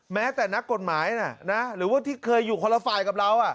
แม้แต่นักกฎหมายหรือว่าที่เคยอยู่คนละฝ่ายกับเรา